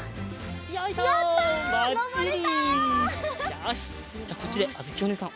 よしじゃあこっちであづきおねえさんおうえんしよう。